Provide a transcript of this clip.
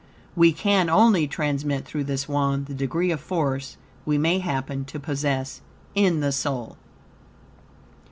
We can only transmit through this Wand the degree of force we may happen to possess in the soul.